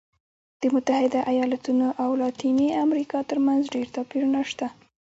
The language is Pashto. د متحده ایالتونو او لاتینې امریکا ترمنځ ډېر توپیرونه شته.